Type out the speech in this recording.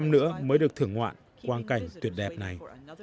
một mươi nữa mới được thưởng ngoạn quan cảnh tuyệt đẹp này